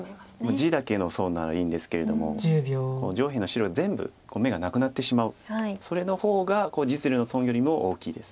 地だけの損ならいいんですけれども上辺の白全部眼がなくなってしまうそれの方が実利の損よりも大きいです。